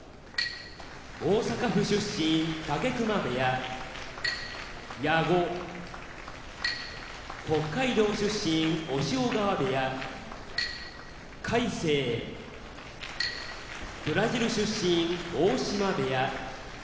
大阪府出身武隈部屋矢後北海道出身尾車部屋魁聖ブラジル出身友綱部屋